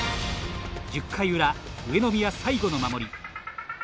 １０回裏、上宮最後の守り。